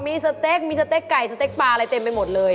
มีสเต็กมีสเต็กไก่สเต็กปลาอะไรเต็มไปหมดเลย